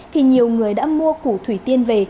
thì nhiều người đã mua củ thủy tiên về